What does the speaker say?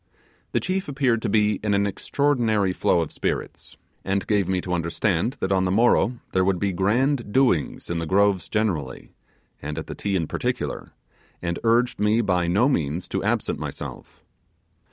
The chief appeared to be in an extraordinary flow of spirits and gave me to understand that on the morrow there would be grand doings in the Groves generally, and at the Ti in particular; and urged me by no means to absent myself.